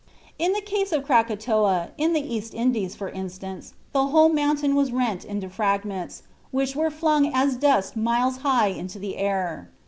In the case of Krakatoa, in the East Indies, for instance, the whole mountain was rent into fragments, which were flung as dust miles high into the air.